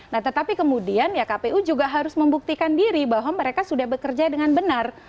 nah tetapi kemudian ya kpu juga harus membuktikan diri bahwa mereka sudah bekerja dengan benar